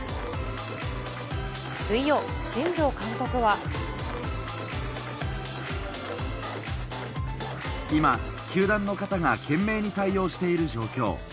水曜、今、球団の方が懸命に対応している状況。